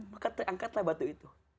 maka angkatlah batu itu